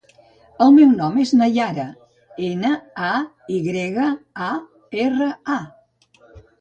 El meu nom és Nayara: ena, a, i grega, a, erra, a.